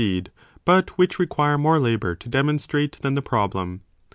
deed, but which require more labour to demonstrate than the problem.